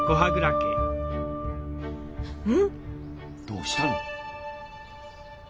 どうしたの？